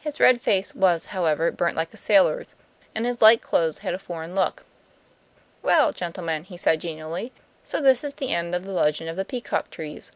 His red face was, however, burnt like a sailor's, and his light clothes had a foreign look. "Well, gentlemen," he said genially, "so this is the end of the legend of the peacock trees.